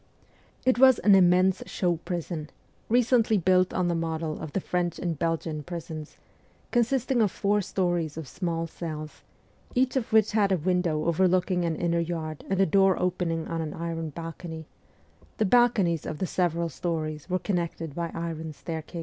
It was an immense show prison, recently built on the model of the French and Belgian prisons, con sisting of four stories of small cells, each of which had a window overlooking an inner yard and a door opening on an iron balcony ; the balconies of the several stories were connected by iron staircases.